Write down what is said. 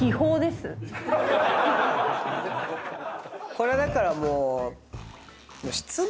これだからもう。